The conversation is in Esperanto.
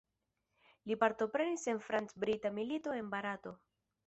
Li partoprenis en franc-brita milito en Barato.